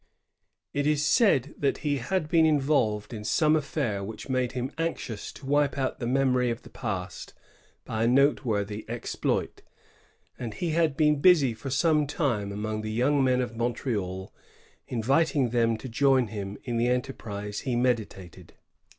It was said that he had been involved in some affair which made him anxious to wipe out the memory of the past by a noteworthy exploit; and he had been busy for some time among the young men of Montreal, inviting them to join him in tjbe enteiprise he meditated.